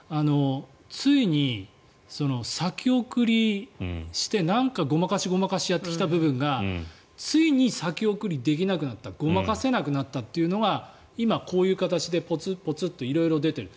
ついに先送りしてなんかごまかしごまかしやってきた部分がついに先送りできなくなったごまかせなくなったっていうのが今、こういう形でポツポツと色々出てる。